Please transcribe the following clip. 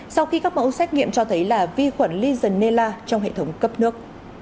sau khi các mẫu xét nghiệm cho thấy là vi khuẩn legenela trong hệ thống cấp nước